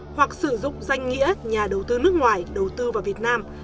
hoặc sử dụng danh nghĩa nhà đầu tư nước ngoài đầu tư vào việt nam